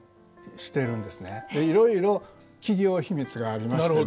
いろいろ企業秘密がありましてね。